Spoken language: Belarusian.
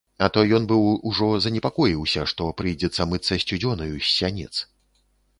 А то ён быў ужо занепакоіўся, што прыйдзецца мыцца сцюдзёнаю з сянец.